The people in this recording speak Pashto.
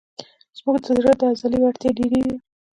زموږ د زړه د عضلې وړتیا ډېرېږي.